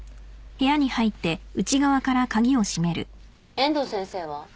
遠藤先生は？